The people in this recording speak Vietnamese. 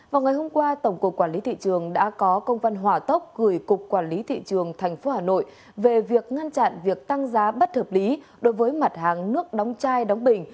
vào ngày hôm qua tổng cục quản lý thị trường đã có công văn hỏa tốc gửi cục quản lý thị trường tp hà nội về việc ngăn chặn việc tăng giá bất hợp lý đối với mặt hàng nước đóng chai đóng bình